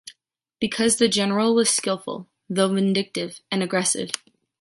Because the General was skillful, though vindictive and aggressive.